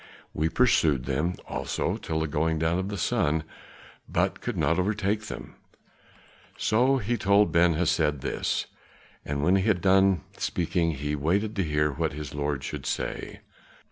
We pursued them also till the going down of the sun, but could not overtake them." So he told Ben Hesed this, and when he had done speaking he waited to hear what his lord should say.